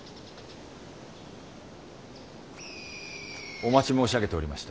お待ち申し上げておりました。